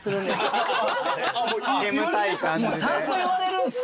ちゃんと言われるんすか。